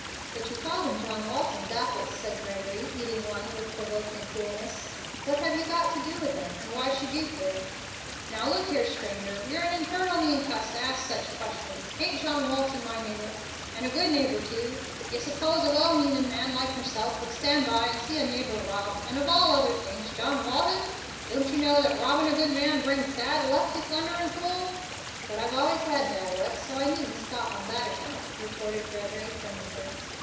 "But you call them John Walton's apples," said Gregory, eating one with provoking coolness. "What have you got to do with them? and why should you care?" "Now look here, stranger, you're an infernal mean cuss to ask such questions. Ain't John Walton my neighbor? and a good neighbor, too? D'ye suppose a well meanin' man like myself would stand by and see a neighbor robbed? and of all others, John Walton? Don't you know that robbin' a good man brings bad luck, you thunderin' fool?" "But I've always had bad luck, so I needn't stop on that account," retorted Gregory, from the fence.